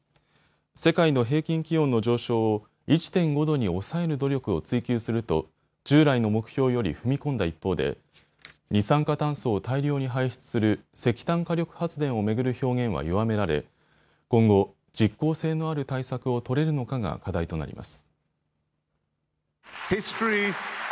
世界の平均気温の上昇を１．５度に抑える努力を追求すると従来の目標より踏み込んだ一方で二酸化炭素を大量に排出する石炭火力発電を巡る表現は弱められ今後、実効性のある対策を取れるのかが課題となります。